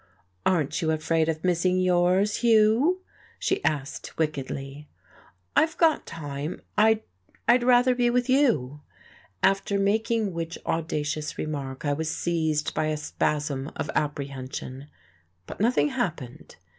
"Aren't you afraid of missing yours, Hugh?" she asked wickedly. "I've got time. I'd I'd rather be with you." After making which audacious remark I was seized by a spasm of apprehension. But nothing happened.